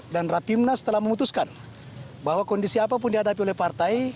dan rapimnas telah memutuskan bahwa kondisi apapun dihadapi oleh partai